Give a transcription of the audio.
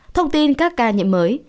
thông tin các ca nhiễm mới